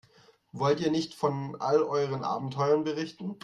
Wollt ihr nicht von all euren Abenteuern berichten?